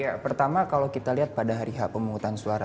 ya pertama kalau kita lihat pada hari h pemungutan suara